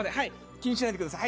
気にしないでください。